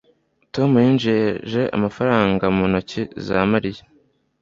tom yinjije amafaranga mu ntoki za mariya